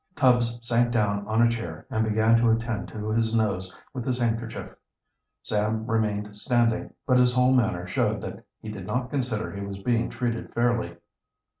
Tubbs sank down on a chair and began to attend to his nose with his handkerchief. Sam remained standing, but his whole manner showed that he did not consider he was being treated fairly.